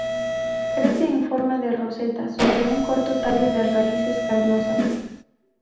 Crece en forma de roseta sobre un corto tallo de raíces carnosas.